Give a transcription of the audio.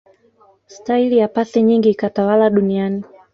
staili ya pasi nyingi ikatawala duniani